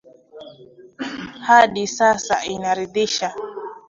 hadi sasa inaridhisha